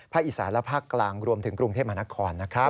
อีสานและภาคกลางรวมถึงกรุงเทพมหานครนะครับ